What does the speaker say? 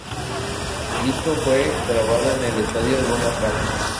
El disco fue grabado en el estadio Luna Park.